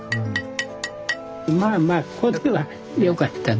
まあまあこっちはよかったね。